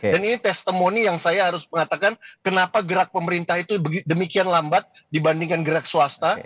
dan ini testimoni yang saya harus mengatakan kenapa gerak pemerintah itu demikian lambat dibandingkan gerak swasta